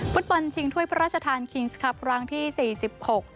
ฟุตบอลชิงถ้วยพระราชทานคิงส์ครับครั้งที่สี่สิบหก